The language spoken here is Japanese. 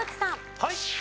はい。